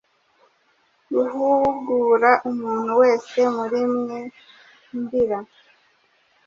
guhugura umuntu wese muri mwe, ndira.